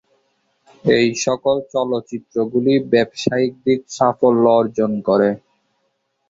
এই সকল চলচ্চিত্রগুলি ব্যবসায়িক দিক সাফল্য অর্জন করে।